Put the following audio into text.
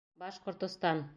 Башкортостан!